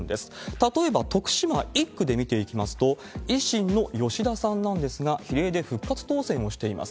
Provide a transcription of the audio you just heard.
例えば徳島１区で見ていきますと、維新の吉田さんなんですが、比例で復活当選をしています。